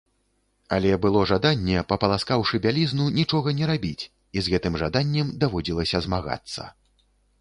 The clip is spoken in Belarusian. Але было жаданне, папаласкаўшы бялізну, нічога не рабіць, і з гэтым жаданнем даводзілася змагацца.